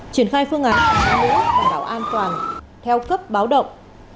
triển khai phương án đảm bảo an toàn theo cấp báo động